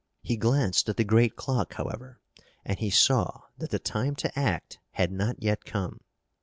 He glanced at the great clock, however, and he saw that the time to act had not yet come.